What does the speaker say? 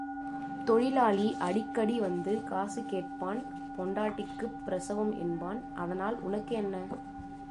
தொழிலாளி அடிக்கடி வந்து காசு கேட்பான் பெண்டாட்டிக்குப் பிரசவம் என்பான் அதனால் உனக்கு என்ன?